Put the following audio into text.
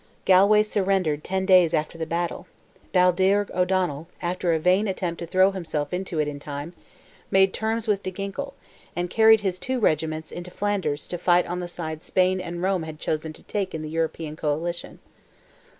Galway surrendered ten days after the battle; Balldearg O'Donnell, after a vain attempt to throw himself into it in time, made terms with De Ginkle, and carried his two regiments into Flanders to fight on the side Spain and Rome had chosen to take in the European coalition.